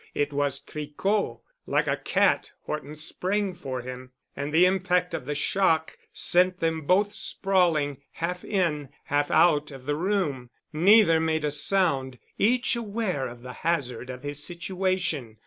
It was Tricot. Like a cat, Horton sprang for him, and the impact of the shock sent them both sprawling, half in, half out of the room. Neither made a sound, each aware of the hazard of his situation.